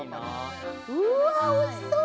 うわ、おいしそう！